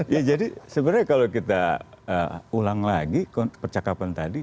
ya jadi sebenarnya kalau kita ulang lagi percakapan tadi